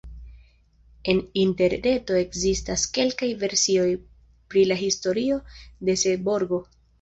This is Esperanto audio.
En Interreto ekzistas kelkaj versioj pri la historio de Seborgo.